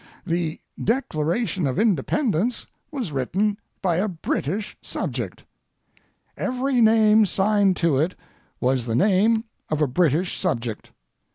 The Declaration of Independence was written by a British subject, every name signed to it was the name of a British subject.